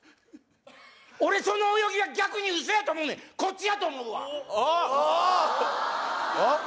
俺その泳ぎは逆に嘘やと思うねんこっちやと思うわ・あっ！